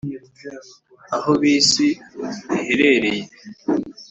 aho bisi iherereye?